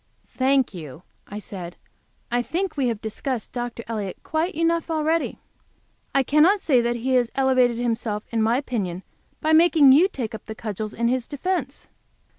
"Thank you," I said, "I think we have discussed Dr. Elliott quite enough already. I cannot say that he has elevated himself in my opinion by making you take up the cudgels in his defence."